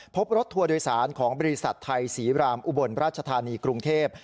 พบรถทัวร์โดยสารของบริษัทไทยศรีรามอุบลราชธานีกรุงเทพ